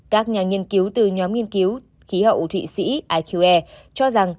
các nhà nghiên cứu từ nhóm nghiên cứu khí hậu thụy sĩ iqe cho rằng